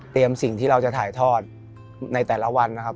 สิ่งที่เราจะถ่ายทอดในแต่ละวันนะครับ